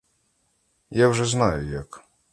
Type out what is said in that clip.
Я вже знаю як.